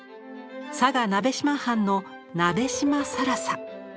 佐賀鍋島藩の鍋島更紗。